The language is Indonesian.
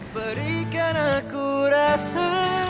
berikan aku rasa